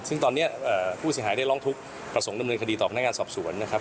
ซึ่งตอนนี้ผู้เสียหายได้ร้องทุกข์ประสงค์ดำเนินคดีต่อพนักงานสอบสวนนะครับ